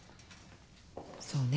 そうね。